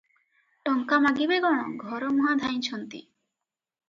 ଟଙ୍କା ମାଗିବେ କଣ, ଘରମୁହାଁ ଧାଇଁଛନ୍ତି ।